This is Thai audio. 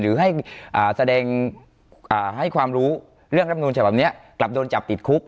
หรือให้แสดงให้ความรู้เรื่องรับนูลฉบับนี้กลับโดนจับติดคุก